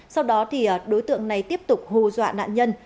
sau đó thì đối tượng này tiếp tục hù dọa nạn nhân